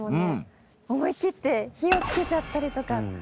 思い切って火をつけちゃったりとか。